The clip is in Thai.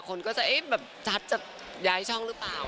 คนก็จะเอ๊ะแบบจัดจะย้ายช่องหรือเปล่า